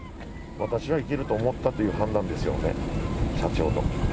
私は行けると思ったという判断ですよね、社長の。